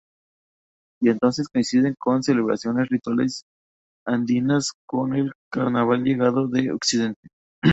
Y entonces coinciden estas celebraciones rituales andinas con el carnaval llegado de occidente.